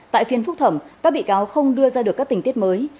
tại phiên phúc thẩm các bị cáo không đưa ra được các tình tiết mới